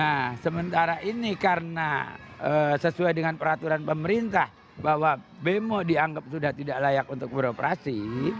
nah sementara ini karena sesuai dengan peraturan pemerintah bahwa bemo dianggap sudah tidak layak untuk beroperasi